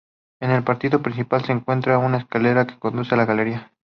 En el patio principal se encuentra una escalera que conduce a una galería.